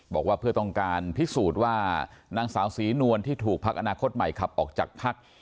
บอกว่าเพื่อต้องการพิสูจน์ว่านางสาวศรีนวลที่ถูกพักอนาคตใหม่ขับออกจากพัก